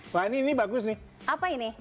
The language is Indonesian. fani ini bagus nih apa ini